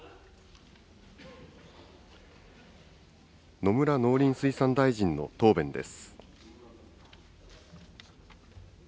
野村農林水産大臣の答弁です。